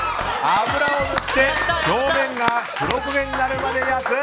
油を塗って表面が黒焦げになるまで焼く。